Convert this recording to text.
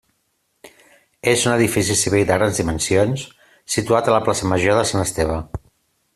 És un edifici civil de grans dimensions situat a la plaça Major de Sant Esteve.